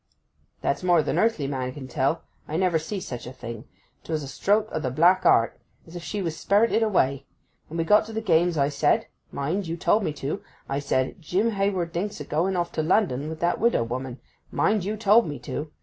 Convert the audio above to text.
'That's more than earthly man can tell! I never see such a thing! 'Twas a stroke o' the black art—as if she were sperrited away. When we got to the games I said—mind, you told me to!—I said, "Jim Hayward thinks o' going off to London with that widow woman"—mind you told me to!